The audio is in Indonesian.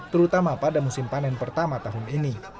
terutama pada musim panen pertama tahun ini